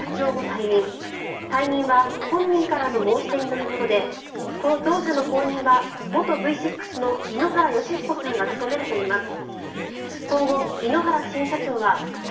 退任は本人からの申し出によるもので同社の後任は元Ｖ６の井ノ原快彦氏が務めるといいます。